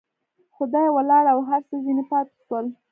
خو دى ولاړ او هر څه ځنې پاته سول.